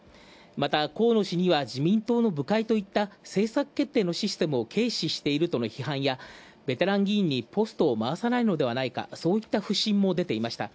また河野氏には、自民党の部会といった政策決定のシステムを軽視しているとの批判やベテラン議員にポストを回さないのではないか、そういった不審もでていました。